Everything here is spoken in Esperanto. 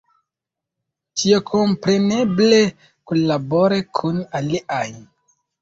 Ĉio kompreneble kunlabore kun aliaj.